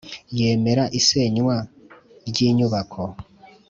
yemera isenywa ry inyubako